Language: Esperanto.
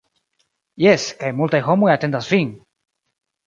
- Jes kaj multaj homoj atendas vin